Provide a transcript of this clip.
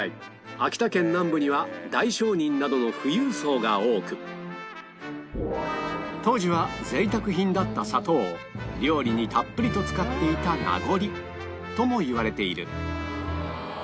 秋田県南部には大商人などの富裕層が多く当時は贅沢品だった砂糖を料理にたっぷりと使っていた名残ともいわれている